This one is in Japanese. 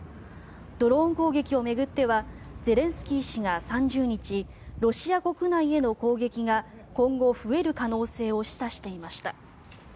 ドローン攻撃を巡ってはゼレンスキー氏が３０日ロシア国内への攻撃が今後、増える可能性を示唆していました。